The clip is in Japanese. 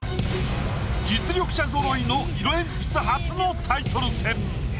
実力者ぞろいの色鉛筆初のタイトル戦。